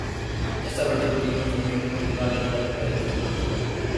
Esta versión tiene un sonido y una letra diferentes al original.